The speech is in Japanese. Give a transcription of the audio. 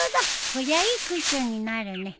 こりゃいいクッションになるね。